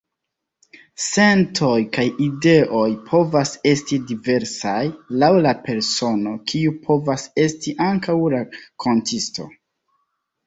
Sentoj kaj ideoj povas esti diversaj, laŭ la persono, kiu povas esti ankaŭ rakontisto.